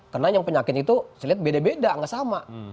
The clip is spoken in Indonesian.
karena yang penyakit itu saya lihat beda beda nggak sama